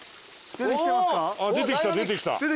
出てきた出てきた。